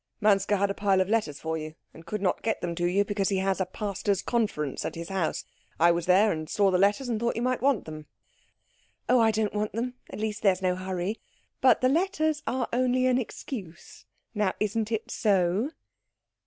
"Manske had a pile of letters for you, and could not get them to you because he has a pastors' conference at his house. I was there and saw the letters, and thought you might want them." "Oh, I don't want them at least, there is no hurry. But the letters are only an excuse. Now isn't it so?"